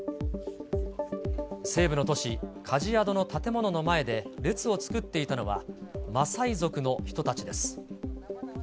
西部の都市カジアドの建物の前で列を作っていたのは、マサイ族の人たちです。